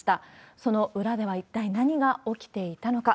その裏では一体何が起きていたのか。